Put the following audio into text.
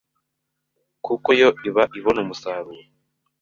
kuko yo iba ibona umusaruro